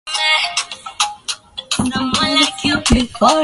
Baada ya kujivua nafasi zote za uongozi ndani ya serikali ya Cuba